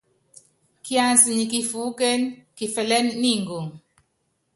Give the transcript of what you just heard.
Kiansɛ nyɛ kifuúkén, kifɛlɛ́n ni ngoŋ.